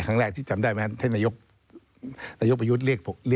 ครั้งแรกที่จำได้ไหมครับท่านนายกประยุทธ์เรียก